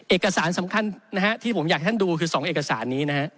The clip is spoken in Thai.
เอกสารสำคัญนะฮะที่ผมอยากให้ท่านดูคือ๒เอกสารนี้นะฮะ